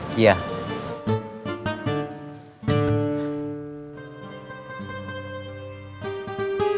kenapa reg bbc termenter itu